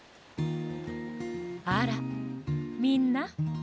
あらみんな。